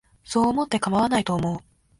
そう思ってかまわないと思う